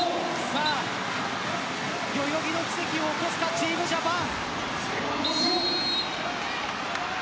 代々木の奇跡を起こすかチームジャパン。